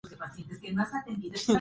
Construye un nido en forma de cuenco.